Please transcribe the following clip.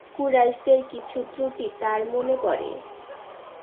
কুরাইশদের কিছু ত্রুটিও তার মনে পড়ে।